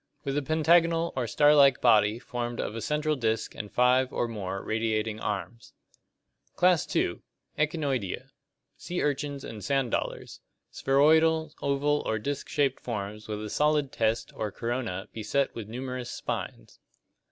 With a pentagonal or star like body formed of a central disc and five (or more) radiating arms. Class II. Echinoidea (Gr. ^fros, sea urchin, and cESos, form). Sea urchins and sand dollars. Spheroidal, oval, or disc shaped forms with a solid test or corona beset with numerous spines.